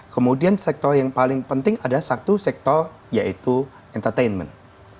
kemudian sektor yang paling penting ada satu sektor yaitu entertainment